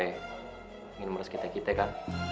ingin meres kita kita kan